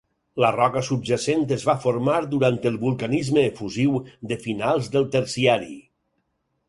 La roca subjacent es va formar durant el vulcanisme efusiu de finals del Terciari.